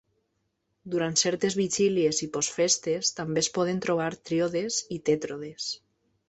Durant certes vigílies i post festes també es poden trobar tríodes i tètrodes.